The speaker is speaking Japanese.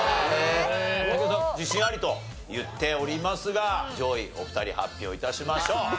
自信ありと言っておりますが上位お二人発表致しましょう。